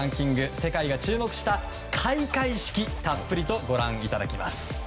世界が注目した開会式たっぷりとご覧いただきます。